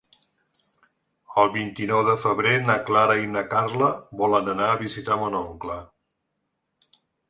El vint-i-nou de febrer na Clara i na Carla volen anar a visitar mon oncle.